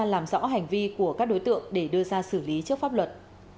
làm rõ hành vi của các đối tượng để đưa ra xử lý trước pháp luật